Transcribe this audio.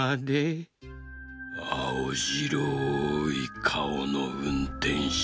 あおじろいかおのうんてんしゅ